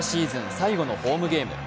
最後のホームゲーム。